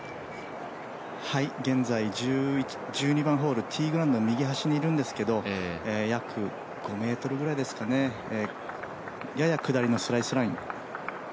現在、１２番ホール、ティーグラウンドの右端にいるんですけど約５ｍぐらいですかね、やや下りのスライスライン。